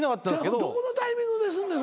どこのタイミングですんのよ。